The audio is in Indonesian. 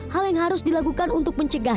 hal yang harus dilakukan untuk mencari penyelamat